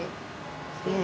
ねえ。